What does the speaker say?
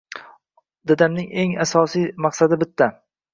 Dadamning eng asosiy maqsadi bitta.